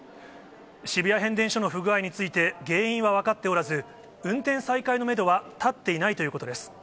渋谷変電所の不具合について、原因は分かっておらず、運転再開のメドは立っていないということです。